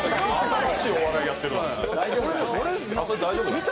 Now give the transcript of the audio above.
新しいお笑いやってる人だ。